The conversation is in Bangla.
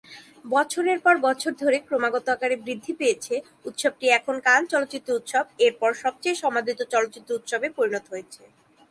বছরের পর বছর ধরে ক্রমাগত আকারে বৃদ্ধি পেয়ে, উৎসবটি এখন কান চলচ্চিত্র উৎসব-এর পর সবচেয়ে সমৃদ্ধ চলচ্চিত্র উৎসবে পরিণত হয়েছে।